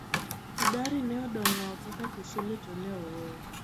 Kidari ne odong' oko ka Kisuli to ne oor.